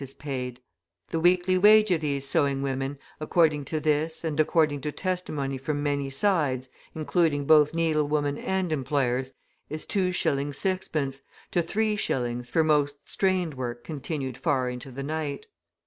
is paid. The weekly wage of these sewing women according to this and according to testimony from many sides, including both needle women and employers, is 2s. 6d. to 3s. for most strained work continued far into the night.